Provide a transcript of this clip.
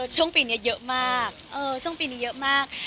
ช่วงปีนี้เยอะมากช่วงปีนี้เยอะมาก